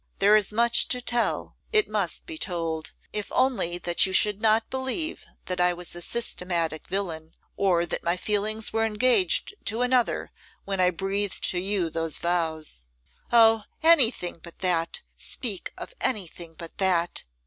There is much to tell; it must be told, if only that you should not believe that I was a systematic villain, or that my feelings were engaged to another when I breathed to you those vows.' 'Oh! anything but that; speak of anything but that!